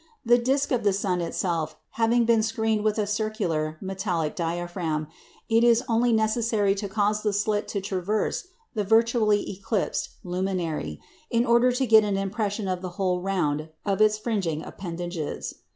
The disc of the sun itself having been screened with a circular metallic diaphragm, it is only necessary to cause the slit to traverse the virtually eclipsed luminary, in order to get an impression of the whole round of its fringing appendages.